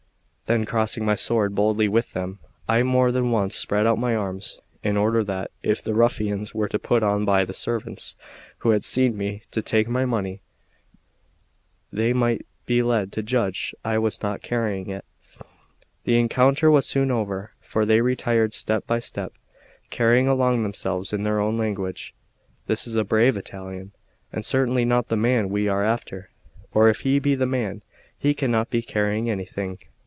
Then crossing my sword boldly with them, I more than once spread out my arms, in order that, if the ruffians were put on by the servants who had seen me take my money, they might be led to judge I was not carrying it. The encounter was soon over; for they retired step by step, saying among themselves in their own language: "This is a brave Italian, and certainly not the man we are after; or if he be the man, he cannot be carrying anything."